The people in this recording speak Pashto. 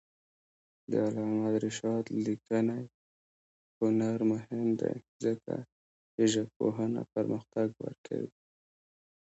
د علامه رشاد لیکنی هنر مهم دی ځکه چې ژبپوهنه پرمختګ ورکوي.